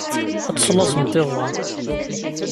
Ad teslaẓemt iḍan.